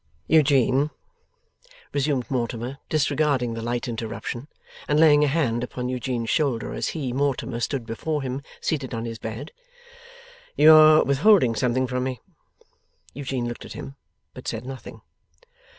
'Eugene,' resumed Mortimer, disregarding the light interruption, and laying a hand upon Eugene's shoulder, as he, Mortimer, stood before him seated on his bed, 'you are withholding something from me.' Eugene looked at him, but said nothing.